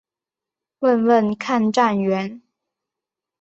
问问看站员